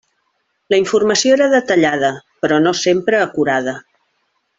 La informació era detallada però no sempre acurada.